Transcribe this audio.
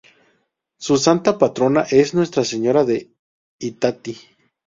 Su santa Patrona es Nuestra Señora de Itatí.